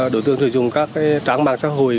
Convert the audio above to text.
đổi tường sử dụng các tráng mạng xã hội